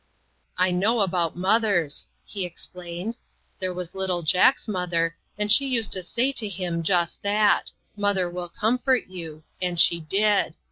" I know about mothers," he explained. " There was little Jack's mother, and she used to . say to him just that, ' Mother will comfort you,' and she did.